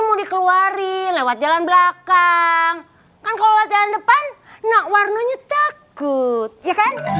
mau dikeluarin lewat jalan belakang kan kalau jalan depan nak warnanya takut ya kan